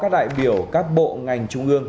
đại biểu các bộ ngành trung ương